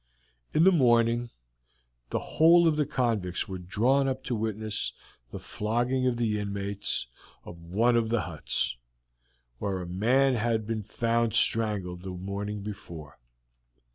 In the morning the whole of the convicts were drawn up to witness the flogging of the inmates of one of the huts, where a man had been found strangled the morning before.